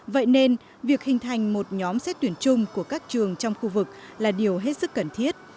vậy nên việc hình thành một nhóm xét tuyển chung của các trường trong khu vực là điều hết sức cần thiết